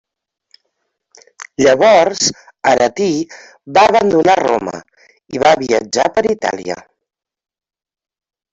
Llavors Aretí va abandonar Roma i va viatjar per Itàlia.